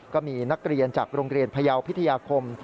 ก็มีนักเรียนจากโรงเรียนพยาวพิทยาคม